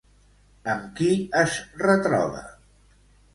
Amb qui es retroba?